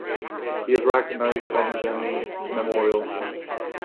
He is recognized on the Vimy Memorial.